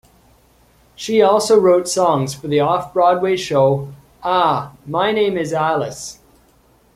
She also wrote songs for the Off-Broadway show "A... My Name Is Alice".